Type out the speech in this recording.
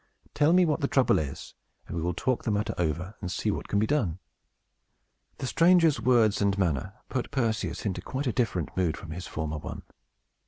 Tell me what the trouble is, and we will talk the matter over, and see what can be done." The stranger's words and manner put Perseus into quite a different mood from his former one.